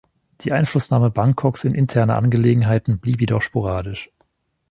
Die Einflussnahme Bangkoks in interne Angelegenheiten blieb jedoch sporadisch.